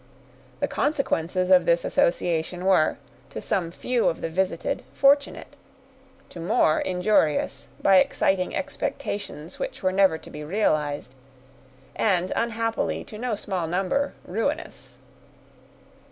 The consequences of this association were, to some few of the visited, fortunate; to more, injurious, by exciting expectations which were never to be realized, and, unhappily, to no small number ruinous.